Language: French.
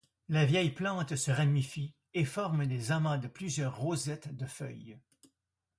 Les vieilles plantes se ramifient et forment des amas de plusieurs rosettes de feuilles.